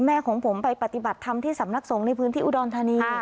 ของผมไปปฏิบัติธรรมที่สำนักสงฆ์ในพื้นที่อุดรธานี